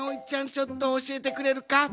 ちょっとおしえてくれるか？